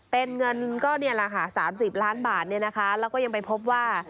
เป็นเงิน๓๐ล้านบาทแล้วก็ยังไปพบว่า